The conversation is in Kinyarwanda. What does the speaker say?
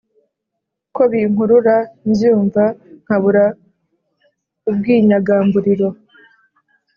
ko binkurura mbyumva nkabura ubwinyagamburiro